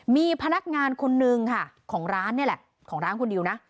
มีพนักงานคนนึงค่ะของร้านนี่แหละของร้านคุณดิวนะ